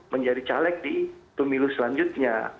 menjadi caleg di pemilu selanjutnya